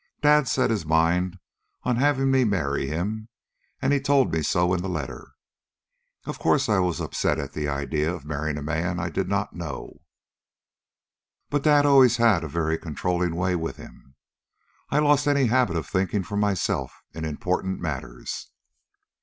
Dad set his mind on having me marry him, and he told me so in the letter. Of course I was upset at the idea of marrying a man I did not know, but Dad always had a very controlling way with him. I had lost any habit of thinking for myself in important matters.